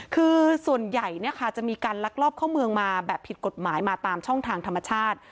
คือส่วนใหญ่จะมีการลักลอบเข้าเมืองมาแบบผิดกฎหมายมาตามช่องทางธรรมชาติ